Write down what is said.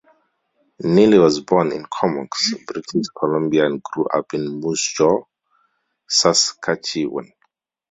Neely was born in Comox, British Columbia and grew up in Moose Jaw, Saskatchewan.